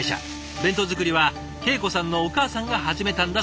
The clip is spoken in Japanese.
弁当作りは恵子さんのお母さんが始めたんだそうです。